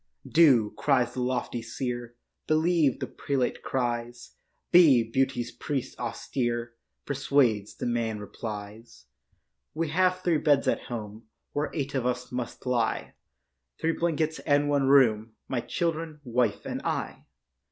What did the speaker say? Do, cries the lofty seer; Believe, the prelate cries; Be, beauty's priest austere Persuades. The man replies, 'We have three beds at home Where eight of us must lie; Three blankets and one room, My children, wife and I.